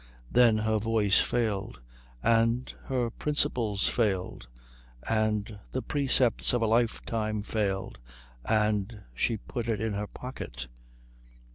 Then her voice failed; and her principles failed; and the precepts of a lifetime failed; and she put it in her pocket.